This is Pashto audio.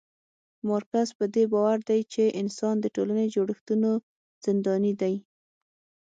مارکس پدې باور دی چي انسان د ټولني د جوړښتونو زنداني دی